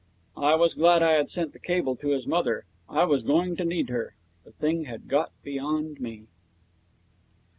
I was glad I had sent that cable to his mother. I was going to need her. The thing had got beyond me.